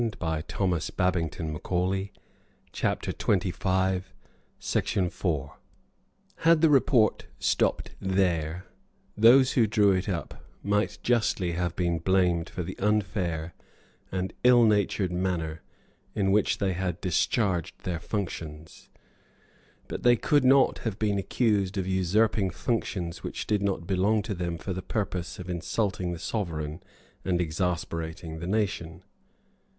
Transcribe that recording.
No name was mentioned; no fact was specified; no evidence was tendered. Had the report stopped here, those who drew it up might justly have been blamed for the unfair and ill natured manner in which they had discharged their functions; but they could not have been accused of usurping functions which did not belong to them for the purpose of insulting the Sovereign and exasperating the nation.